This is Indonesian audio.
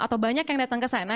atau banyak yang datang ke sana